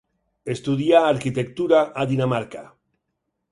Estudià arquitectura a Dinamarca.